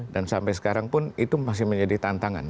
dan sampai sekarang pun itu masih menjadi tantangan